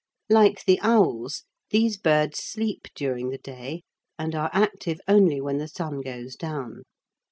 Like the owls, these birds sleep during the day and are active only when the sun goes down.